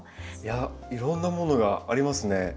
いやいろんなものがありますね。